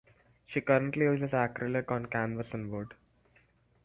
She currently uses acrylic on canvas and wood.